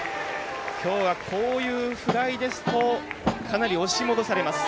きょうは、こういうフライですとかなり押し戻されます。